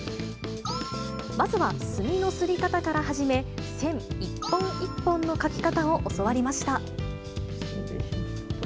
まずは墨のすり方から始め、線一本一本の描き方を教わりました。